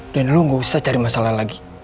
dan lo gak usah cari masalah lagi